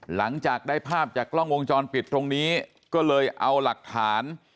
หลังจากได้ภาพจากกล้องวงจรปิดตรงนี้ก็เลยเอาหลักฐาน